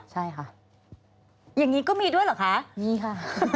เหรออย่างนี้ก็มีด้วยหรือคะค่ะมีค่ะ